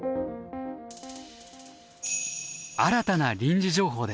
新たな臨時情報です。